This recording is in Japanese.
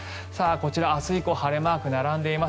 こちら、明日以降晴れマークが並んでいます。